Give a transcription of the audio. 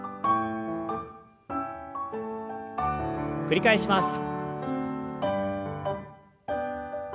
繰り返します。